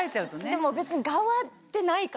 でも別に。